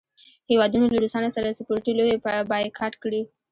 هیوادونو له روسانو سره سپورټي لوبې بایکاټ کړې.